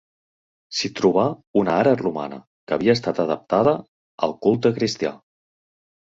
S’hi trobà una ara romana, que havia estat adaptada al culte cristià.